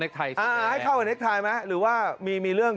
แบบมาอ่าให้เข้าอ่อนนร์ไทยไหมหรือว่ามีมีเรื่อง